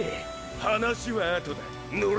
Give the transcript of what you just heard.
話はあとだ乗れ！